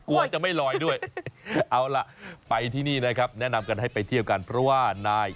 โอ้ยใหญ่พอกับหน้าผมเลยละ